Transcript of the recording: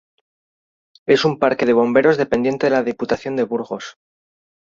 Es un parque de bomberos dependiente de la Diputación de Burgos.